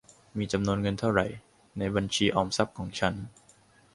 มีจำนวนเงินเท่าไหร ในบัญชีออมทรัพย์ของฉัน ?